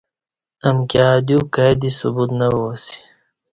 امکی ا دیو کای دی ثبوت نہ وا اسی